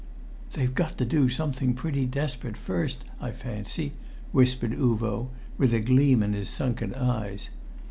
"They've got to do something pretty desperate first, I fancy," whispered Uvo, with a gleam in his sunken eyes.